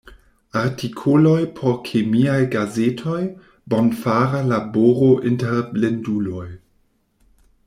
Artikoloj por kemiaj gazetoj; bonfara laboro inter blinduloj.